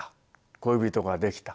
恋人ができた。